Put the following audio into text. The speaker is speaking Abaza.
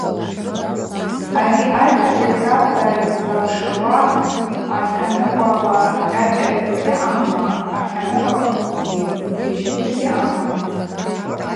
Ари айха джьахӏвата йызлакшауа атланыкъвала къьакъьата йгьаъамма, атланыкъвакӏгьи гьажьыта йгьаъамма?